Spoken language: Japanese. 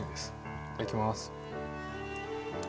いただきます。